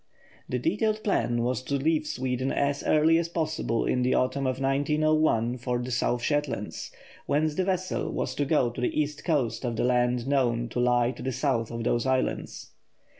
The detailed plan was to leave Sweden as early as possible in the autumn of 1901 for the South Shetlands, whence the vessel was to go to the east coast of the land known to lie to the south of those islands.